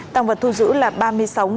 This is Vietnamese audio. tăng vật thu giữ là